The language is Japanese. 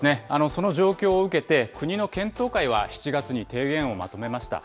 その状況を受けて、国の検討会は７月に提言をまとめました。